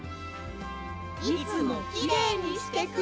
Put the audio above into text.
いつもきれいにしてくれて。